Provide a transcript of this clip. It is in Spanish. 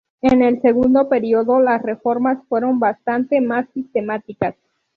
En el segundo período, las reformas fueron bastante más sistemáticas.